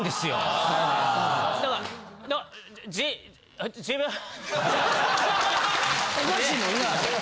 ・ああ・おかしいもんな。